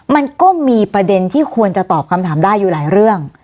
มันก็มีประเด็นที่ควรจะตอบคำถามได้อยู่หลายเรื่อง